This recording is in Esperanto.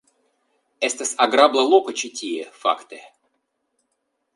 Estas agrabla loko ĉi tie, fakte.